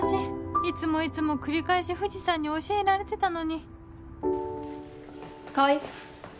いつもいつも繰り返し藤さんに教えられてたのに